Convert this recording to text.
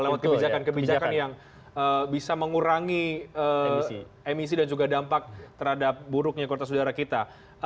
lewat kebijakan kebijakan yang bisa mengurangi emisi dan juga dampak terhadap buruknya kualitas udara kita